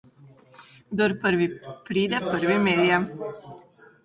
Kdor prvi pride, prvi melje.